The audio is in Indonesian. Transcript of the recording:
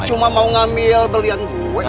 cuma mau ngamil berlian gue